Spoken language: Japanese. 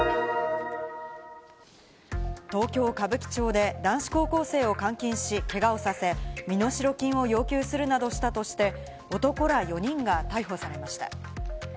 東京・歌舞伎町で男子高校生を監禁しけがをさせ、身代金を要求するなどしたとして、男ら４人が逮捕されました。